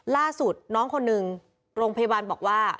ล่าสุดน้องคนหนึ่งโรงพยาบาลบอกว่า